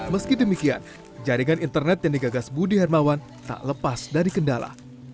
meski demikian jaringan internet yang digagas budi hermawan tak lepas dari kendala